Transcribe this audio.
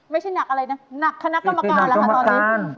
ไม่ใช่หนักอะไรนะหนักคณะกรรมการล่ะค่ะ